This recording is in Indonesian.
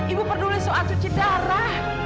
ibu peduli soal cuci darah